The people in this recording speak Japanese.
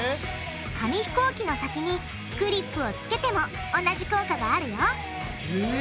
紙ひこうきの先にクリップをつけても同じ効果があるよへぇ。